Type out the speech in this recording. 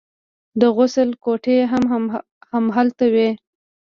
د غسل کوټې هم هماغلته وې.